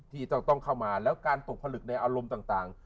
ที่ต้องเข้ามาแล้วการตกผลึกในอารมณ์ต่าง